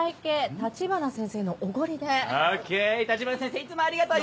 橘先生いつもありがとう！